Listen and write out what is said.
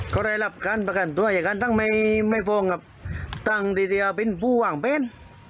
ก็เลยรับการประกันตัวอย่างกันตั้งไม่ไม่พอตั้งทีเดียวเป็นผู้หวังเป็น